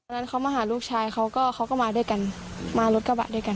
นั้นเขามาหาลูกชายเขาก็เขาก็มาด้วยกันมารถกระบะด้วยกัน